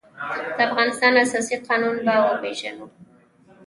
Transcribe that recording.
د افغانستان اساسي قانون به وپېژنو.